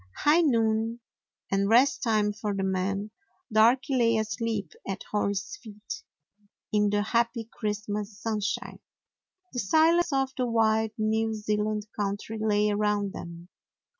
High noon, and rest time for the men. Darky lay asleep at Hori's feet, in the happy 122 A NEW ZEALAND DOG Christmas sunshine. The silence of the wide New Zealand country lay around them.